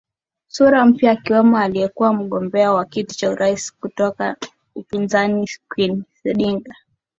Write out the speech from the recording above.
Sura mpya akiwemo aliyekuwa mgombea wa kiti cha urais kutoka upinzani Queen Sendiga